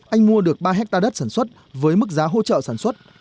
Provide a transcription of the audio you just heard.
anh mua được ba hectare đất sản xuất với mức giá hỗ trợ sản xuất